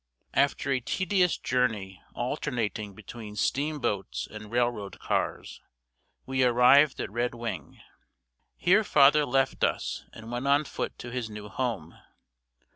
After a tedious journey alternating between steam boats and railroad cars, we arrived at Red Wing. Here father left us and went on foot to his new home.